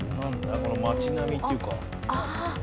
この町並みっていうか。